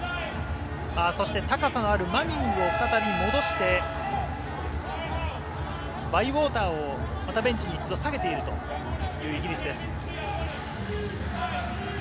高さのあるマニングを再び戻して、バイウォーターをまたベンチに一度、下げているというイギリスです。